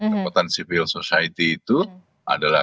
kekuatan civil society itu adalah